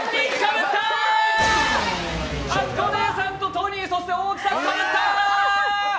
あつこおねえさんとトニー、そして大木さん、かぶった。